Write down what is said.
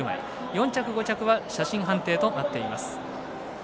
４着、５着は写真判定となっています。